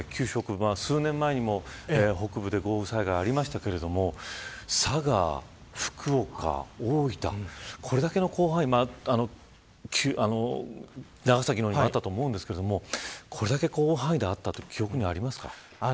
ただ天達さん、今回、九州北部数年前にも北部で豪雨災害がありましたが佐賀、福岡、大分これだけの広範囲長崎もあったと思いますがこれだけ広範囲であったという記憶はありますか。